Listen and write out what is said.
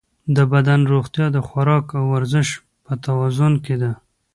د بدن روغتیا د خوراک او ورزش په توازن کې ده.